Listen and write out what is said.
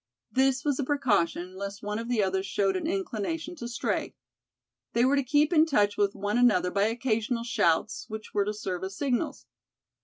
This was a precaution, lest one of the others showed an inclination to stray. They were to keep in touch with one another by occasional shouts, which were to serve as signals.